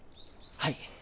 はい。